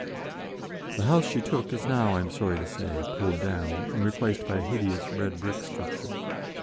The house she took is now, I am sorry to say, pulled down, and replaced by a hideous red brick structure.